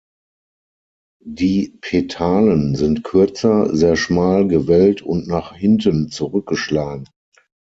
Die Petalen sind kürzer, sehr schmal, gewellt und nach hinten zurückgeschlagen.